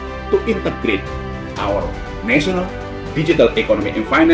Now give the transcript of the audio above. untuk integrasi ekonomi dan keuangan digital nasional kita